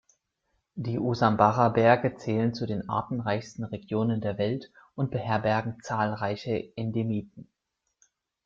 Die Usambara-Berge zählen zu den artenreichsten Regionen der Welt und beherbergen zahlreiche Endemiten.